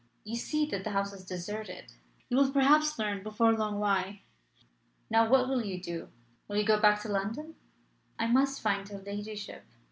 You see that the house is deserted. You will perhaps learn before long why. Now what will you do? Will you go back to London?" "I must find her ladyship."